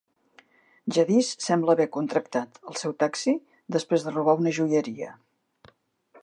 Jadis sembla haver "contractat" el seu taxi després de robar una joieria.